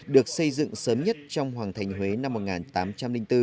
được xây dựng sớm nhất trong hoàng thành huế năm một nghìn tám trăm linh bốn